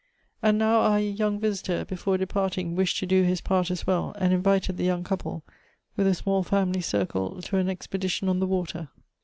And now our young visitor before departing wished to do his part as well, and invited the young couple, with a small family circle, to an expedition on the water.